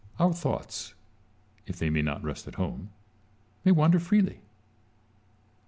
Salomon. Our thoughts, if they may not rest at home, may wander freely.